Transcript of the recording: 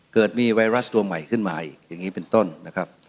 เกิดมีไวรัสตัวใหม่ขึ้นมาอีกอย่างนี้เป็นต้นนะครับ